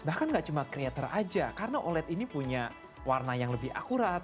bahkan gak cuma creator aja karena oled ini punya warna yang lebih akurat